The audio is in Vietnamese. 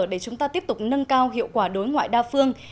để chúng ta tiếp tục nâng cao hiệu quả đối ngoại đa phương